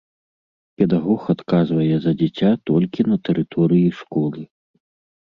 Педагог адказвае за дзіця толькі на тэрыторыі школы.